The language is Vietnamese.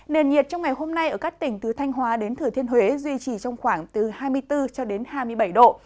nền nhiệt trong ngày hôm nay ở các tỉnh từ thanh hóa đến thử thiên huế duy trì trong khoảng hai mươi bốn hai mươi bảy độ